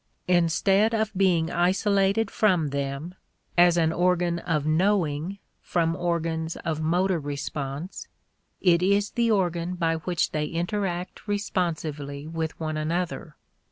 Instead of being isolated from them, as an organ of knowing from organs of motor response, it is the organ by which they interact responsively with one another.